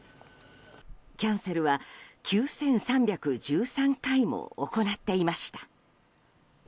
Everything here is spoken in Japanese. キャンセルは９３１３回も行っていました。